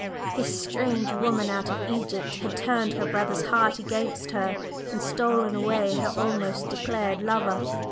This "strange woman out of Egypt" had turned her brother's heart against her, and stolen away her almost declared lover.